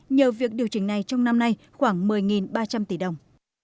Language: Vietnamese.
nhờ việc điều chỉnh này trong năm nay khoảng một mươi ba trăm linh tỷ đồng